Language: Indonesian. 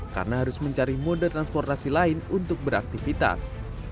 karena harus mencari mode transportasi lain untuk beraktifitas